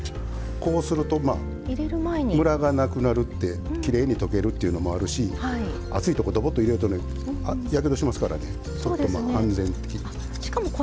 こうするとムラがなくなってきれいに溶けるっていうのもあるし熱いところに、どぼっと入れるとやけどしますからね、安全に。